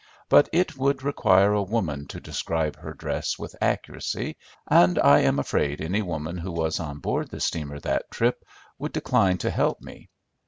But it would require a woman to describe her dress with accuracy, and I am afraid any woman who was on board the steamer that trip would decline to help me.